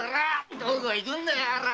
どこ行くんだよオラ！